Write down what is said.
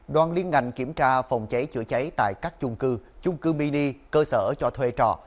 đoàn liên ngành kiểm tra phòng cháy chữa cháy tại các chung cư chung cư mini cơ sở cho thuê trọ